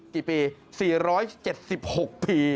กี่ปี๔๗๖ปี